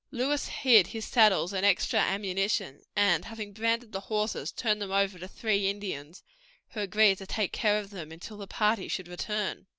Lewis hid his saddles and extra ammunition, and, having branded the horses, turned them over to three Indians, who agreed to take care of them until the party should return.